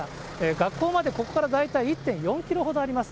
学校までここから大体１．４キロほどあります。